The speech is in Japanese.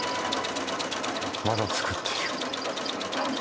まだ作ってる。